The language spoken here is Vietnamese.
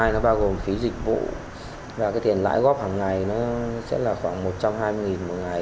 nó bao gồm phí dịch vụ và tiền lãi góp hằng ngày sẽ là khoảng một trăm hai mươi đồng một ngày